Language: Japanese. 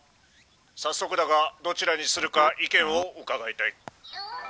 早速だがどちらにするか意見を伺いたい。